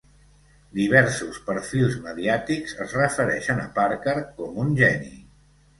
Diversos perfils mediàtics es refereixen a Parker com un geni.